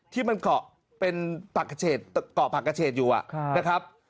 ที่มันเกาะเป็นเกาะผักกระเฉดอยู่นะครับ